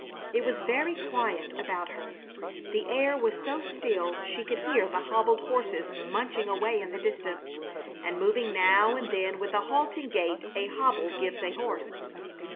It was very quiet about her. The air was so still she could hear the hobbled horses munching away in the distance, and moving now and then with the halting gait a hobble gives a horse.